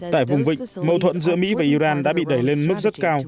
tại vùng vịnh mâu thuẫn giữa mỹ và iran đã bị đẩy lên mức rất cao